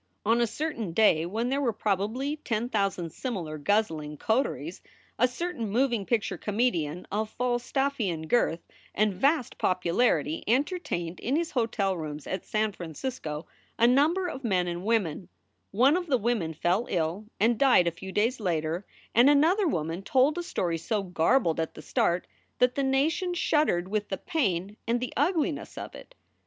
On a certain day when there were probably ten thousand similar guzzling coteries, a certain moving picture comedian of Falstaffian girth and vast popularity entertained in his hotel rooms at San Francisco a number of men and women ; one of the women fell ill and died a few days later and another woman told a story so garbled at the start that the nation shuddered with the pain and the ugliness of it.